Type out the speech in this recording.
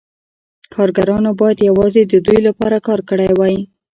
کارګرانو باید یوازې د دوی لپاره کار کړی وای